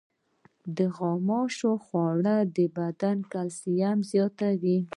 د غوښې خوړل د بدن کلسیم زیاتوي.